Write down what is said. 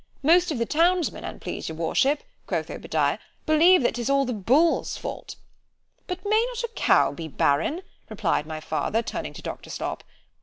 ——Most of the townsmen, an' please your worship, quoth Obadiah, believe that 'tis all the Bull's fault—— ——But may not a cow be barren? replied my father, turning to Doctor _Slop.